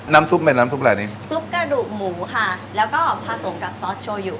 ซุปเป็นน้ำซุปอะไรนี้ซุปกระดูกหมูค่ะแล้วก็ผสมกับซอสโชยู